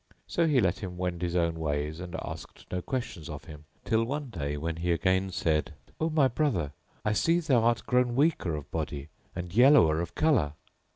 So he let him wend his own ways and asked no questions of him till one day when he again said, "O my brother, I see thou art grown weaker of body and yellower of colour."